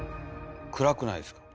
暗くないですか？